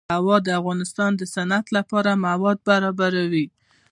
هوا د افغانستان د صنعت لپاره مواد برابروي.